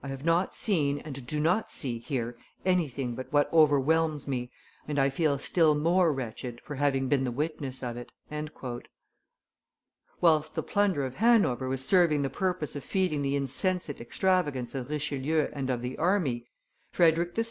I have not seen and do not see here anything but what overwhelms me, and I feel still more wretched for having been the witness of it." Whilst the plunder of Hanover was serving the purpose of feeding the insensate extravagance of Richelieu and of the army, Frederick II.